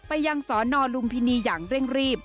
ไปยังสนลุมพินีอย่างเร่งรีบ